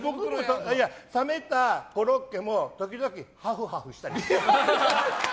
冷めたコロッケも時々ハフハフしたりする。